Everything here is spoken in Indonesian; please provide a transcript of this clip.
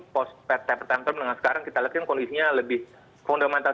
post tepat tentrum dengan sekarang kita lihatin kondisinya lebih fundamental